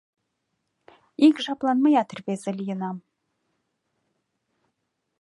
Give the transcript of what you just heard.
Ик жаплан мыят рвезе лийынам